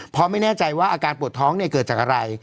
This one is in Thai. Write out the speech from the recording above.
เพราะไม่แน่ใจว่าอาการปวดท้องเกิดจากอะไร